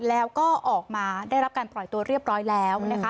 แล้วก็ออกมาได้รับการปล่อยตัวเรียบร้อยแล้วนะคะ